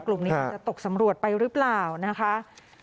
กลุ่มนี้มันจะตกสำรวจไปหรือเปล่านะคะ